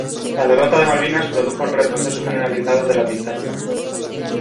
La derrota de Malvinas produjo en retroceso generalizado de la Dictadura.